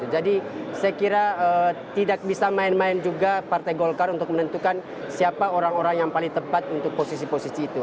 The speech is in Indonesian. jadi saya kira tidak bisa main main juga partai golkar untuk menentukan siapa orang orang yang paling tepat untuk posisi posisi itu